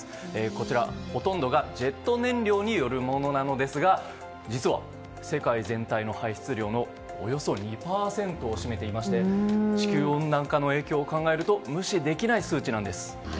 こちら、ほとんどがジェット燃料によるものなんですが実は、世界全体の排出量のおよそ２％を占めていまして地球温暖化の影響を考えると無視できない数値なんです。